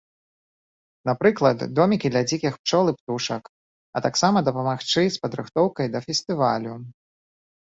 Напрыклад, домікі для дзікіх пчол і птушак, а таксама дапамагчы з падрыхтоўкай да фестывалю.